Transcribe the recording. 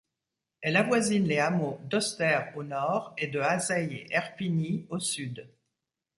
Elle avoisine les hameaux d'Oster au nord et de Hazeilles et Erpigny au sud.